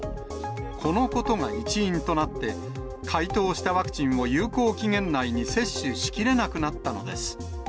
このことが一因となって、解凍したワクチンを有効期限内に接種しきれなくなったのです。